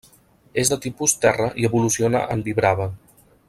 És de tipus terra i evoluciona en Vibrava.